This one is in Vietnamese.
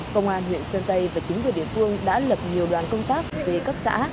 công an huyện sơn tây và chính quyền địa phương đã lập nhiều đoàn công tác về cấp xã